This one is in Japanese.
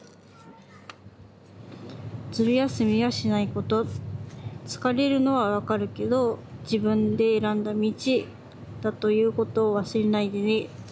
「ずる休みはしない事つかれるのはわかるけど“自分で選んだ道”だという事を忘れないでね。